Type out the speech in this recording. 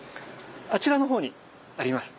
あちらの方にあります。